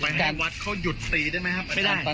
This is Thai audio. ไปให้วัดเขายุดตีได้มั้ยครับ